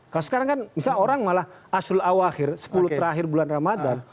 kalau sekarang kan misalnya orang malah ashul awakhir sepuluh terakhir bulan ramadhan